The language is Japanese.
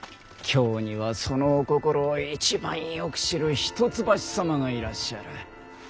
京にはそのお心を一番よく知る一橋様がいらっしゃる。